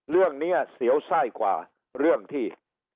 เรื่องเนี่ยเสียวใส่กว่าเรื่องที่